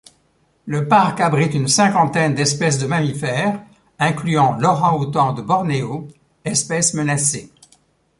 Le parc abrite une cinquantaine d'espèces de mammifères, incluant l'orang-outan de Bornéo, espèce menacée.